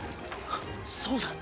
そうだ！